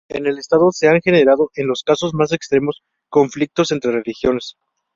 En el estado se han generado en los casos más extremos, conflictos entre religiones.